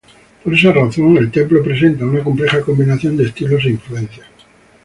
Por esa razón, el templo presenta una compleja combinación de estilos e influencias.